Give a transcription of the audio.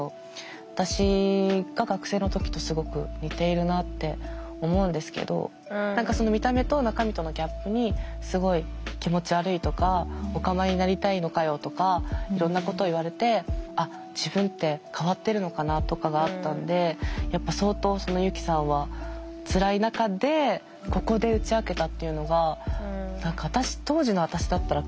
私が学生の時とすごく似ているなって思うんですけど何か見た目と中身とのギャップにすごい気持ち悪いとかオカマになりたいのかよとかいろんなこと言われて「あっ自分って変わってるのかな」とかがあったんでやっぱ相当ユキさんはつらい中でここで打ち明けたっていうのが何か当時の私だったら考えられない。